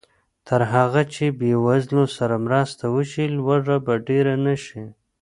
تر هغه چې بېوزلو سره مرسته وشي، لوږه به ډېره نه شي.